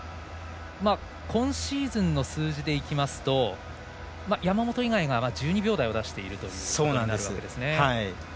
今シーズンの数字でいきますと山本以外が１２秒台を出しているということになりますね。